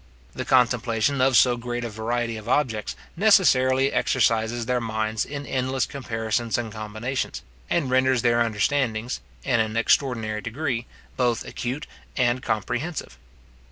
The contemplation of so great a variety of objects necessarily exercises their minds in endless comparisons and combinations, and renders their understandings, in an extraordinary degree, both acute and comprehensive.